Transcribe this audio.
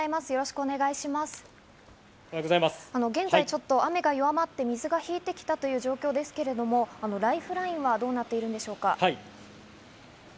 現在、雨が弱まって水が引いているという状況ですが、ライフラインはどうなっているんでしょうか。